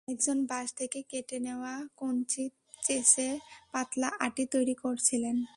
একজন বাঁশ থেকে কেটে নেওয়া কঞ্চি চেঁচে পাতলা আঁটি তৈরি করছিলেন।